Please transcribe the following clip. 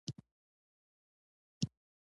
د اعصابو سکته وه او که د عشق.